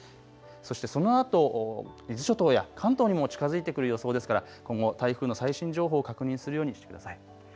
そしてそのあと伊豆諸島や関東にも近づいてくる予想ですから、今後、台風の最新情報を確認するようにしてください。